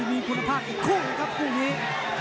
มีคุณภาพอีกคู่นะครับคู่นี้